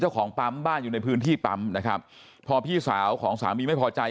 เจ้าของปั๊มบ้านอยู่ในพื้นที่ปั๊มนะครับพอพี่สาวของสามีไม่พอใจ